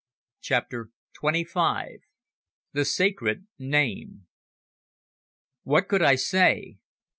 CHAPTER TWENTY FIVE. THE SACRED NAME. What could I say?